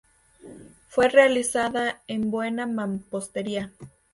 Fue realizada en buena mampostería.